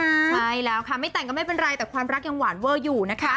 ใช่แล้วค่ะไม่แต่งก็ไม่เป็นไรแต่ความรักยังหวานเวอร์อยู่นะคะ